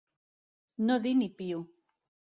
No dir ni piu.